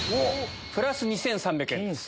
プラス２３００円です。